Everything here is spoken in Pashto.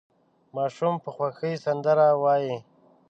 ماشوم په خوښۍ سندره وايي.